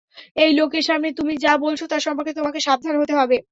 এই লোকের সামনে তুমি যা বলছো তা সম্পর্কে তোমাকে সাবধান হতে হবে।